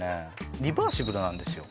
リバーシブルなんですよ